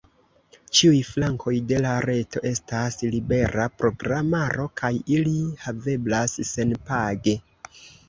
Ĉiuj flankoj de la reto estas libera programaro kaj ili haveblas senpage.